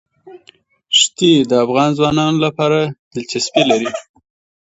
ښتې د افغان ځوانانو لپاره دلچسپي لري.